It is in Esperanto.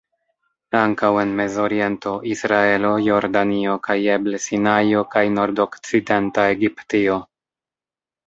Ankaŭ en Mezoriento, Israelo, Jordanio kaj eble Sinajo kaj Nordokcidenta Egiptio.